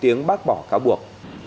tuy tiến bác bỏ cáo buộc